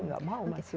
tidak mau masuk